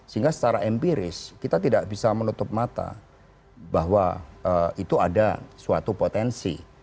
sehingga secara empiris kita tidak bisa menutup mata bahwa itu ada suatu potensi